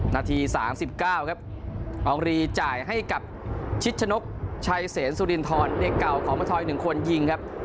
นาทีสามสิบเก้าครับอองรีจ่ายให้กับชิชชะนกชายเสนสุรินทรเด็กเก่าของมะทอยหนึ่งคนยิงครับ